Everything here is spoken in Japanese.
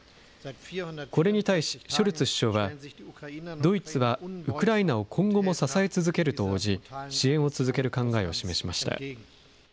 これに対しショルツ首相は、ドイツはウクライナを今後も支え続けると応じ、支援を続ける考えを示しました。